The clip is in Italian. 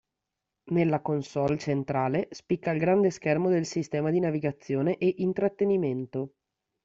Nella consolle centrale spicca il grande schermo del sistema di navigazione e intrattenimento.